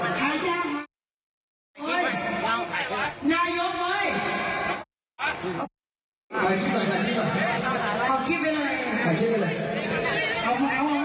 โอ้โหอย่างงี้ไม่น่าทดนะครับผม